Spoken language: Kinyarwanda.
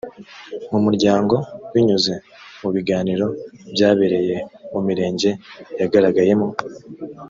mu muryango binyuze mu biganiro byabereye mu mirenge yagaragayemo